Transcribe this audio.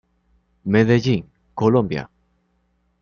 Medellín Colombia.